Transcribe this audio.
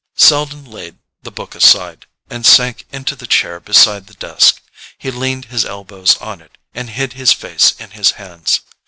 Selden laid the book aside, and sank into the chair beside the desk. He leaned his elbows on it, and hid his face in his hands.